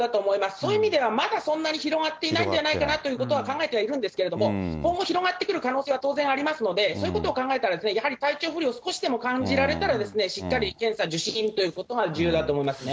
そういう意味では、まだそんなに広がっていないんじゃないかなということは考えてはいるんですけれども、今後、広がってくる可能性は当然ありますので、そういうことを考えたら、やはり体調不良を少しでも感じられたら、しっかり、検査、受診ということが重要だと思いますね。